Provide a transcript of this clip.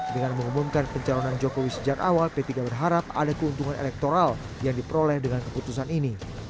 dengan mengumumkan pencalonan jokowi sejak awal p tiga berharap ada keuntungan elektoral yang diperoleh dengan keputusan ini